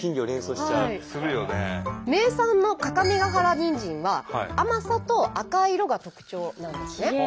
名産の各務原にんじんは甘さと赤い色が特徴なんですね。